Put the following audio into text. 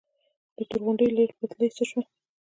د تورغونډۍ ریل پټلۍ څه شوه؟